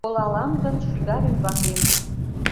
Колалам гын, шӱгар ӱмбакем